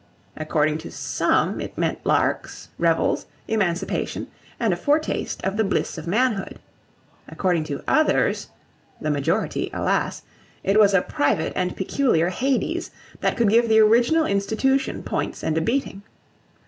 According to some, it meant larks, revels, emancipation, and a foretaste of the bliss of manhood. According to others, the majority, alas! it was a private and peculiar Hades, that could give the original institution points and a beating.